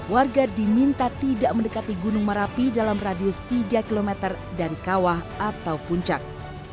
warga diminta tidak mendekati gunung merapi dalam radius tiga km dari kawah atau puncak